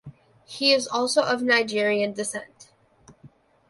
He is also of Nigerian descent.